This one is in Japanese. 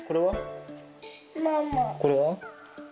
これは？